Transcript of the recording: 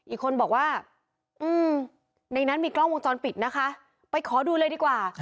อีกคนบอกว่าในนั้นมีกล้องวงจรปิดนะคะไปขอดูเลยดีกว่า